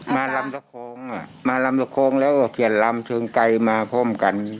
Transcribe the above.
ลำตะโค้งอ่ะมาลำตะโค้งแล้วก็เขียนลำเชิงไกลมาพร้อมกัน